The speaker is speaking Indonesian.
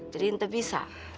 jadi ente bisa